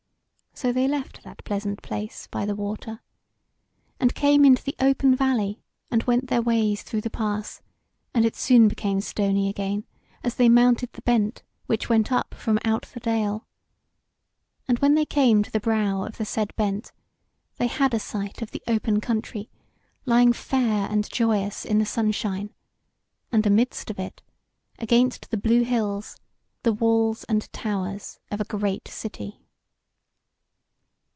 So they left that pleasant place by the water, and came into the open valley, and went their ways through the pass; and it soon became stony again, as they mounted the bent which went up from out the dale. And when they came to the brow of the said bent, they had a sight of the open country lying fair and joyous in the sunshine, and amidst of it, against the blue hills, the walls and towers of a great city.